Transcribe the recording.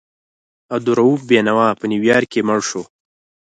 عبدالرؤف بېنوا په نیویارک کې مړ شو.